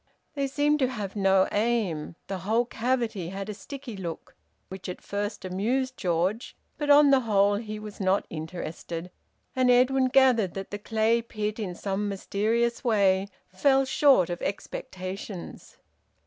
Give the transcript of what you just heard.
They seemed to have no aim. The whole cavity had a sticky look which at first amused George, but on the whole he was not interested, and Edwin gathered that the clay pit in some mysterious way fell short of expectations.